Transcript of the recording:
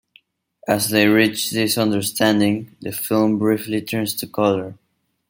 As they reach this understanding the film briefly turns to colour.